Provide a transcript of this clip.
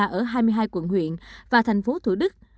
ở hai mươi hai quận huyện và thành phố thủ đức